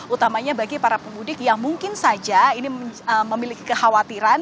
utamanya bagi para pemudik yang mungkin saja ini memiliki kekhawatiran